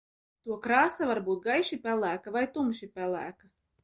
To krāsa var būt gaiši pelēka vai tumši pelēka.